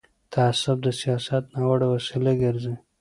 تعصب د سیاست ناوړه وسیله ګرځي